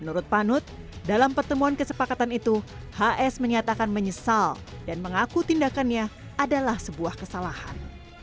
menurut panut dalam pertemuan kesepakatan itu hs menyatakan menyesal dan mengaku tindakannya adalah sebuah kesalahan